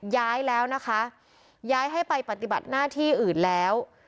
ย้ายแล้วนะคะย้ายให้ไปปฏิบัติหน้าที่อื่นแล้ว